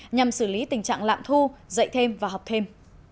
nhằm xử lý tình trạng lạm thu dạy thêm và học thêm